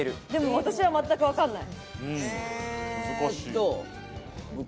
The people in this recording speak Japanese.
私は全くわかんない。